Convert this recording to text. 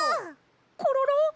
コロロ！